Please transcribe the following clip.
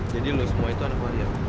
jadi lu semua itu anak waria